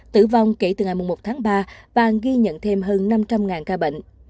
tử vong kể từ ngày một tháng ba bang ghi nhận thêm hơn năm trăm linh ca bệnh